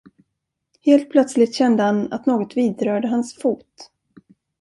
Helt plötsligt kände han, att något vidrörde hans fot.